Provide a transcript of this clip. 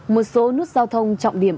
một số nút giao thông trọng điểm